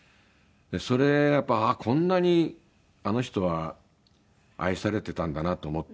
それでやっぱりああこんなにあの人は愛されてたんだなと思って人に。